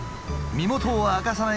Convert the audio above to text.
「身元を明かさない」。